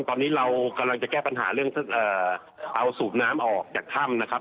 ตอนนี้เรากำลังจะแก้ปัญหาเรื่องเอาสูบน้ำออกจากถ้ำนะครับ